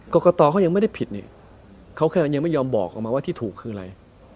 กรกตเขายังไม่ได้ผิดนี่เขาแค่ยังไม่ยอมบอกออกมาว่าที่ถูกคืออะไร